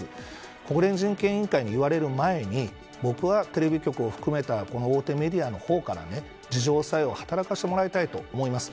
国連人権委員会に言われる前に僕は、テレビ局を含めた大手メディアの方から自浄作用を働かせてもらいたいと思います。